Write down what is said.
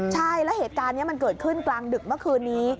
ใช่แล้วเหตุการณ์นี้มันเกิดขึ้นกลางดึกเมื่อคืนนี้